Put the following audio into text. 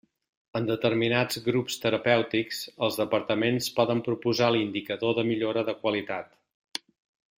En determinats grups terapèutics, els departaments poden proposar l'indicador de millora de qualitat.